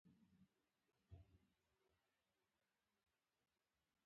بې له دې چې د خبرو په اړه سوچ وکړم.